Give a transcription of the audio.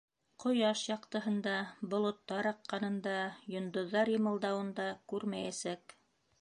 Ҡояш яҡтыһын да, болоттар аҡҡанын да, йондоҙҙар йымылдауын да күрмәйәсәк.